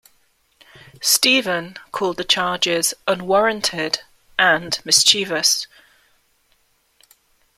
Stephen called the charges unwarranted and mischievous.